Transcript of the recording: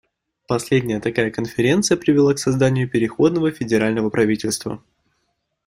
Последняя такая конференция привела к созданию переходного федерального правительства.